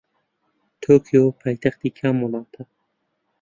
تۆکیۆ پایتەختی کام وڵاتە؟